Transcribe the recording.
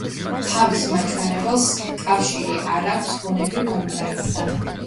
თავის მაჩვენებელს კავშირი არ აქვს გონებრივ განვითარებასთან.